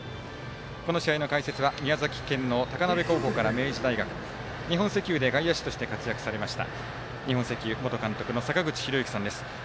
この試合の解説は宮崎県の高鍋高校から明治大学日本石油で外野手として活躍されました日本石油元監督の坂口裕之さんです。